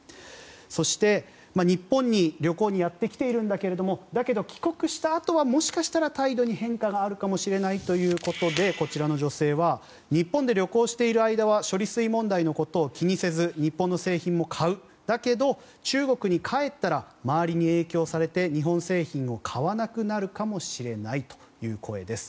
そして、日本に旅行にやってきているんだけどもだけど帰国したあとはもしかしたら態度に変化があるかもしれないということでこちらの女性は日本で旅行している間は処理水問題のことを気にせず日本の製品も買うだけど、中国に帰ったら周りに影響されて日本製品を買わなくなるかもしれないという声です。